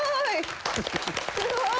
すごい。